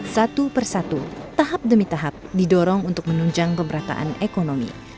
satu persatu tahap demi tahap didorong untuk menunjang pemerataan ekonomi